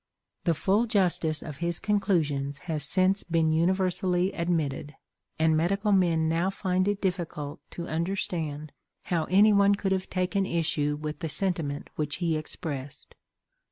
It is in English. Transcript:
The full justice of his conclusions has since been universally admitted, and medical men now find it difficult to understand how anyone could have taken issue with the sentiment which he expressed.